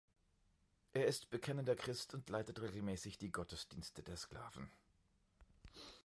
Er ist bekennender Christ und leitet regelmäßig die Gottesdienste der Sklaven.